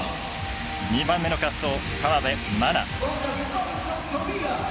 ２番目の滑走河辺愛菜。